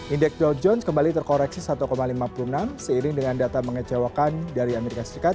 indeks dolp jones kembali terkoreksi satu lima puluh enam seiring dengan data mengecewakan dari amerika serikat